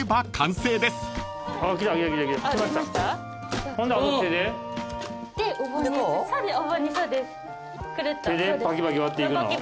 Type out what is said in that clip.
手でパキパキ割っていくの？